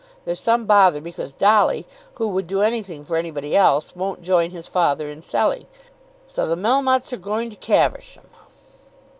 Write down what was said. There's some bother because Dolly, who would do anything for anybody else, won't join his father in selling. So the Melmottes are going to Caversham!"